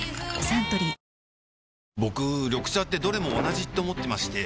サントリー僕緑茶ってどれも同じって思ってまして